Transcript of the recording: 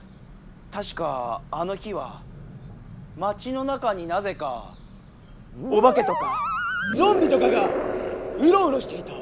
たしかあの日は町の中になぜかおばけとかゾンビとかがうろうろしていた。